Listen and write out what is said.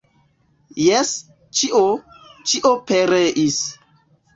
Jes, ĉio, ĉio pereis.